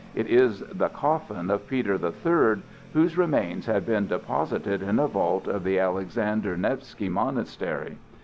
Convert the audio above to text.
It is the coffin of Peter the Third, whose remains had been deposited in a vault of the Alexander Nevski Monastery.